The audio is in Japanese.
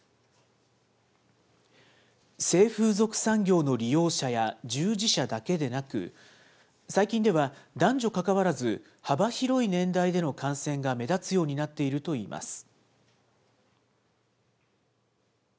性風俗産業の利用者や従事者だけでなく、最近では男女かかわらず、幅広い年代での感染が目立つようになっているといいます。